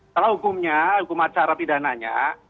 kalau hukumnya hukum acara pidananya